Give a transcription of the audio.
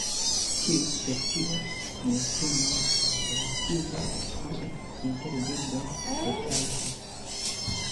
Tiu specio nestumas relative frue inter birdoj de Tajgo.